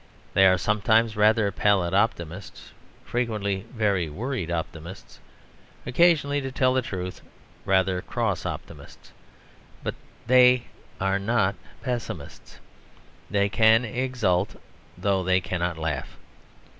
They are sometimes rather pallid optimists, frequently very worried optimists, occasionally, to tell the truth, rather cross optimists: but they not pessimists; they can exult though they cannot laugh.